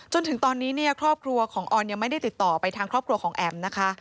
จนถึงตอนนี้เนี่ยครอบครัวของออนยังไม่ได้ติดต่อไปทางครอบครัวของแอ๋มนะคะ